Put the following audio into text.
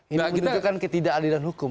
ini menunjukkan ketidakadilan hukum